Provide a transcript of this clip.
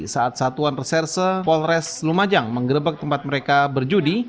saat satuan reserse polres lumajang menggerebek tempat mereka berjudi